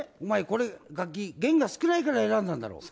これ楽器弦が少ないから選んだんだろ。